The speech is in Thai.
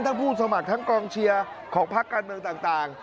ผู้สมัครทั้งกองเชียร์ของพักการเมืองต่าง